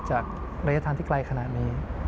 ระยะทางที่ไกลขนาดนี้